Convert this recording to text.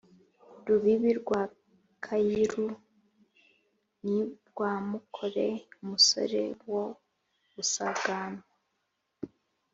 Rubibi rwa Kayiru ni Rwamukore umusore wo gusanganwa